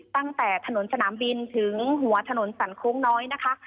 ตั้งแต่ถนนสนามบินถึงหัวถนนสันโค้งน้อยนะคะ